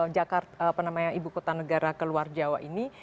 jakarta ibu kota negara ke luar jawa ini